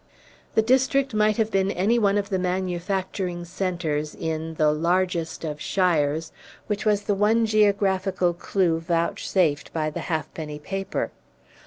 The district might have been any one of the many manufacturing centres in "the largest of shires," which was the one geographical clew vouchsafed by the half penny paper.